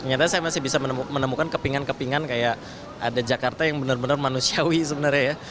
ternyata saya masih bisa menemukan kepingan kepingan kayak ada jakarta yang benar benar manusiawi sebenarnya ya